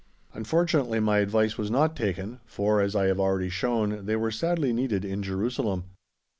Unfortunately, my advice was not taken, for, as I have already shown, they were sadly needed in Jerusalem.